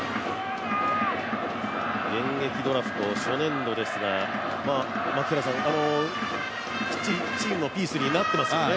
現役ドラフト、初年度ですがチームのピースになっていますよね。